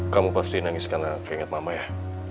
kamu pasti nangis karena kengit mama ya